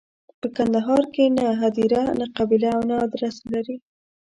په کندهار کې نه هدیره، نه قبیله او نه ادرس لري.